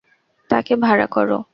তাকে ভাড়া করো।